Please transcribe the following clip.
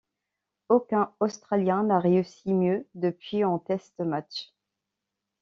Aucun australien n'a réussi mieux depuis en test-matchs.